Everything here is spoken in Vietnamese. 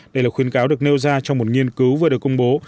đây là khuyến cáo được nêu ra trong một nghiên cứu vừa được công bố